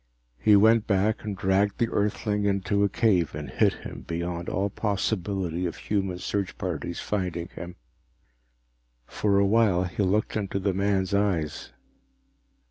He went back and dragged the Earthling into a cave and hid him beyond all possibility of human search parties finding him. For a while he looked into the man's eyes.